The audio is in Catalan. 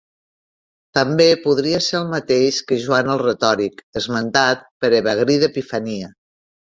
També podria ser el mateix que Joan el Retòric esmentat per Evagri d'Epifania.